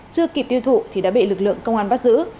chưa kịp tiêu thụ thì đã bị lực lượng công an bắt giữ